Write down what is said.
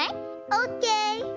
オッケー。